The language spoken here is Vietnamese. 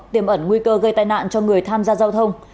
tiềm ẩn nguy cơ gây tai nạn cho người tham gia giao thông